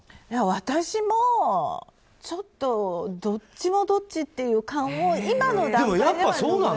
私もどっちもどっちっていう感を今の段階では。